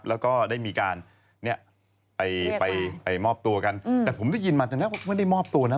แล้วก็ได้มีการเนี่ยไปไปมอบตัวกันแต่ผมได้ยินมาตอนแรกว่าไม่ได้มอบตัวนะ